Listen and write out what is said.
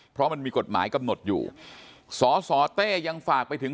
เพราะมันมีกฎหมายกำหนดอยู่สสเต้ยังฝากไปถึง